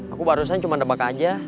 aku barusan cuma nebak aja